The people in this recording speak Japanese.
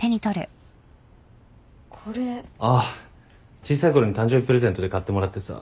小さいころに誕生日プレゼントで買ってもらってさ。